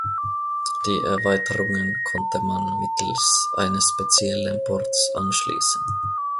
Die Erweiterungen konnte man mittels eines speziellen Ports anschließen.